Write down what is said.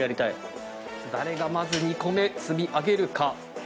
誰がまず２個目積み上げるか。